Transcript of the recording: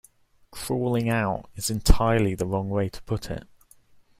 'Crawling out' is entirely the wrong way to put it.